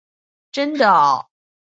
真的喔！